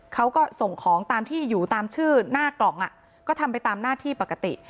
เขาก็ส่งของตามที่อยู่ตามชื่อหน้ากล่องก็ทำไปตามหน้าที่ปกติ